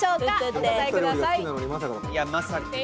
お答えください。